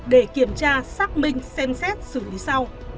để kiểm tra xác minh xem xét xử lý sau